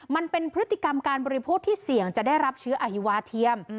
มันเป็นพฤติกรรมการบริโภคที่เสี่ยงจะได้รับเชื้ออฮิวาเทียม